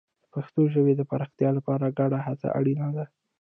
د پښتو ژبې د پراختیا لپاره ګډه هڅه اړینه ده.